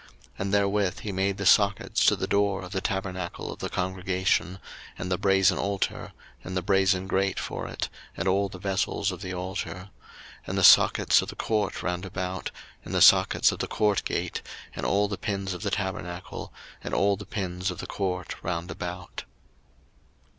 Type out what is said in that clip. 02:038:030 And therewith he made the sockets to the door of the tabernacle of the congregation, and the brasen altar, and the brasen grate for it, and all the vessels of the altar, 02:038:031 And the sockets of the court round about, and the sockets of the court gate, and all the pins of the tabernacle, and all the pins of the court round about.